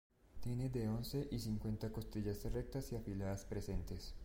Tiene de once y cincuenta costillas rectas y afiladas presentes.